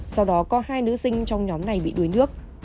sau đó có hai nữ sinh trong nhóm này bị đuối nước